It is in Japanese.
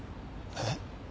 えっ？